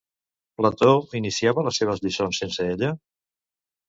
Plató iniciava les seves lliçons sense ella?